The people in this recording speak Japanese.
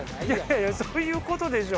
そういうことでしょ？